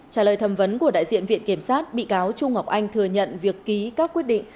trả lời thẩm vấn của đại diện viện kiểm sát bị cáo trung ngọc anh thừa nhận việc ký các quyết định